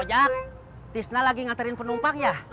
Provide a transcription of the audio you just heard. mas ojak tisna lagi ngaterin penumpang ya